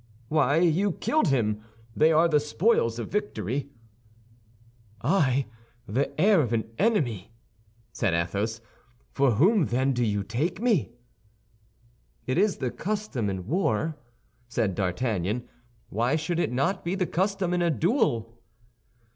"Why, you killed him! They are the spoils of victory." "I, the heir of an enemy!" said Athos; "for whom, then, do you take me?" "It is the custom in war," said D'Artagnan, "why should it not be the custom in a duel?"